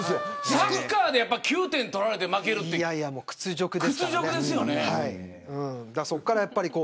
サッカーで９点取られて負けるって屈辱ですよね。